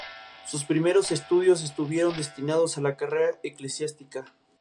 Sus primeros estudios estuvieron destinados a la carrera eclesiástica.